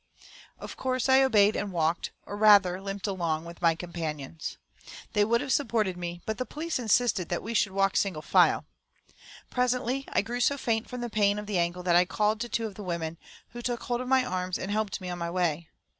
Of course I obeyed and walked, or rather limped along with my companions. They would have supported me, but the police insisted that we should walk single file. Presently I grew so faint from the pain of the ankle that I called to two of the women, who took hold of my arms and helped me on my way.